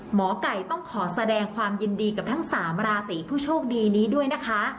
หมอไก่ต้องขอแสดงความยินดีกับทั้ง๓ราศีผู้โชคดีนี้ด้วยนะคะ